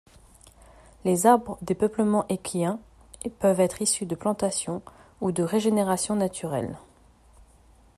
Les arbres des peuplements équiens peuvent être issus de plantation, ou de régénération naturelle.